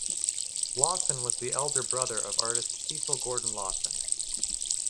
Lawson was the elder brother of artist Cecil Gordon Lawson.